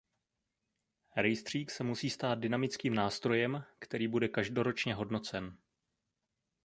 Rejstřík se musí stát dynamickým nástrojem, který bude každoročně hodnocen.